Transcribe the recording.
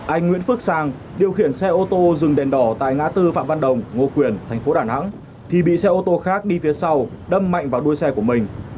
anh nguyễn phước sang điều khiển xe ô tô dừng đèn đỏ tại ngã tư phạm văn đồng ngô quyền tp đà nẵng thì bị xe ô tô khác đi phía sau đâm mạnh vào đuôi xe của mình